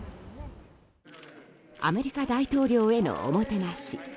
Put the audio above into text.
アメリカ大統領へのおもてなし。